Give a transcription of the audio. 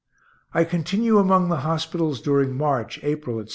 I continue among the hospitals during March, April, etc.